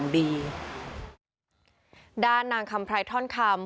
ด้านนางคำไพรท่อนคำ